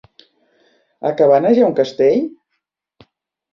A Cabanes hi ha un castell?